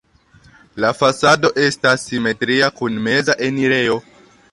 La fasado estas simetria kun meza enirejo.